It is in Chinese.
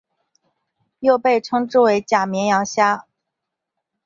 又被称之为假绵羊虾。